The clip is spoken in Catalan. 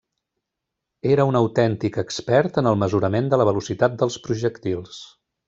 Era un autèntic expert en el mesurament de la velocitat dels projectils.